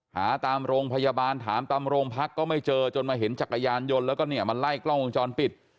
หาตามโรงพยาบาลถามตามโรงพักก็ไม่เจอจนมาเห็นจักรยานยนต์แล้วก็เนี่ยมาไล่กล้องวงจรปิด